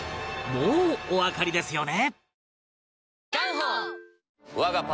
もうおわかりですよね